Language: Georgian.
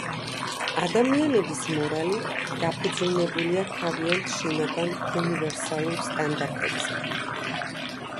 ადამიანების მორალი დაფუძნებულია თავიანთ შინაგან უნივერსალურ სტანდარტებზე.